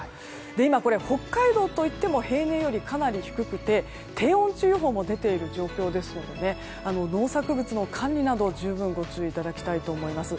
今、北海道といっても平年よりかなり低くて低温注意報も出ている状況ですので農作物の管理など十分、ご注意いただきたいと思います。